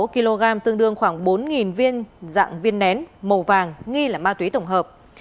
một mươi kg tương đương khoảng bốn viên dạng viên nén màu vàng nghi là ma túy tổng hợp